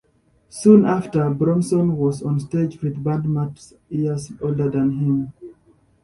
Soon after, Bronson was on stage with band mates years older than him.